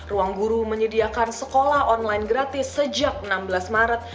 ruangguru menyediakan sekolah online gratis sejak enam belas maret